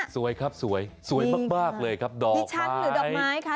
สวยครับสวยสวยมากเลยครับดอกชันหรือดอกไม้ค่ะ